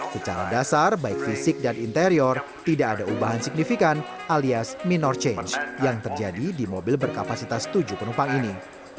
secara dasar baik fisik dan interior tidak ada ubahan signifikan alias minor change yang terjadi di mobil berkapasitas tujuh penumpang ini